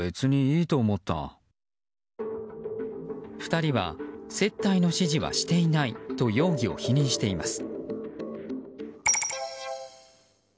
２人は接待の指示はしていないと容疑を否認しています。